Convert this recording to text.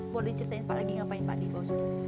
boleh diceritain pak lagi ngapain pak di bawah